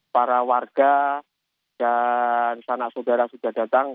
para warga dan sanak saudara sudah datang